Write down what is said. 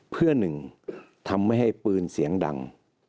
เพื่อหนึ่งทำให้ปืนเสียงดัง